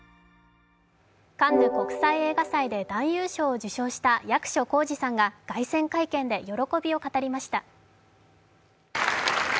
カンヌ国際映画祭で男優賞を受賞した役所広司さんが凱旋会見で喜びを語りました。